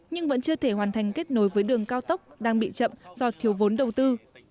nhưng vẫn chưa thể hoàn thành kết nối với đường cao tốc đang bị chậm do thiếu vốn đầu tư